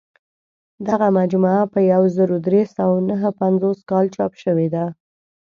دغه مجموعه په یو زر درې سوه نهه پنځوس کال چاپ شوې ده.